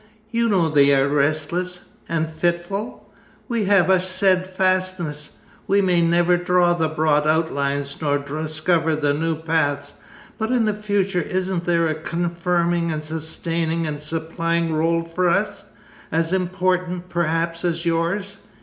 You know they are restless—and fitful. We have a steadfastness. We may never draw the broad outlines nor discover the new paths, but in the future isn't there a confirming and sustaining and supplying rôle for us? As important, perhaps, as yours?